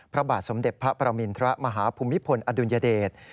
พระบาทสมเด็จพระประมินทรมาฮภูมิพลอดุลยเดช